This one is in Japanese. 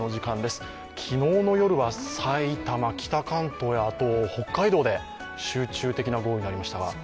昨日の夜は埼玉、北関東や北海道で集中的な豪雨になりました。